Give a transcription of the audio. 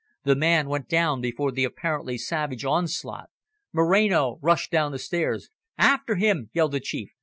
The man went down before the apparently savage onslaught. Moreno rushed down the stairs. "After him," yelled the Chief.